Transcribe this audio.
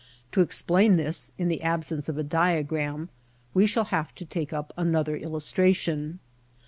To explain this, in the absence of a diagram, we shall have to take up another illustration.